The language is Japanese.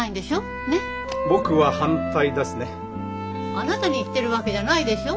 あなたに言ってるわけじゃないでしょ。